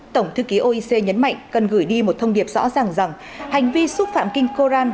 tổng thư ký oec nhấn mạnh cần gửi đi một thông điệp rõ ràng rằng hành vi xúc phạm kinh koran